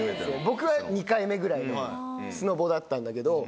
僕は２回目ぐらいのスノボだったんだけど。